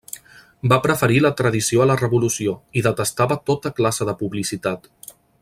Va preferir la tradició a la revolució, i detestava tota classe de publicitat.